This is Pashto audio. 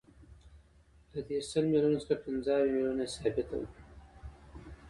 له دې سل میلیونو څخه پنځه اویا میلیونه یې ثابته ده